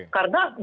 karena nggak jelas